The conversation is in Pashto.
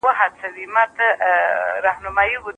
ثانیه مرزا د ټېنس مشهورې لوبغاړې ده.